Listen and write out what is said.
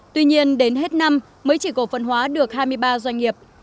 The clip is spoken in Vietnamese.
tuy nhiên đến hết năm mới chỉ cổ phân hóa được hai mươi ba doanh nghiệp